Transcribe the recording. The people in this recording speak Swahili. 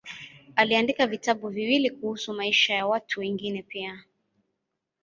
Aliandika vitabu viwili kuhusu maisha ya watu wengine pia.